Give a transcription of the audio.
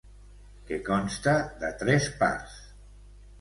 Que consta de tres parts.